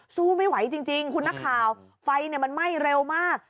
สู้ไม่ไหวจริงคุณนักข่าวไฟมันไหม้เร็วมาก